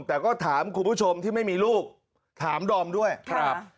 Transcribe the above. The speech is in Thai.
แต่ก็ถามคุณผู้ชมที่ไม่มีลูกถามดอมด้วยครับ